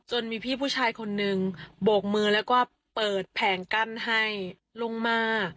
มีพี่ผู้ชายคนนึงโบกมือแล้วก็เปิดแผงกั้นให้ลงมา